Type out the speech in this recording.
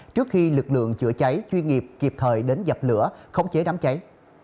trước khi lực lượng chữa cháy chuyên nghiệp kịp thời đến dập lửa khống chế đám cháy